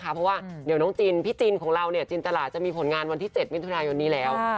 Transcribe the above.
เพราะว่าเดี๋ยวน้องจินพี่จินของเราจินตราจะมีผลงานวันที่๗มิถุนายนนี้แล้ว